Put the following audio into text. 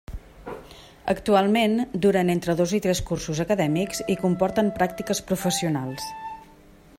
Actualment duren entre dos i tres cursos acadèmics i comporten pràctiques professionals.